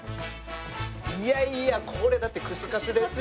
いやいやこれだって串カツですよ。